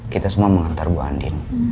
kita semua mengantar bu andin